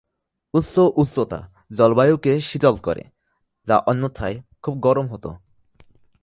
উচ্চ উচ্চতা জলবায়ুকে শীতল করে, যা অন্যথায় খুব গরম হত।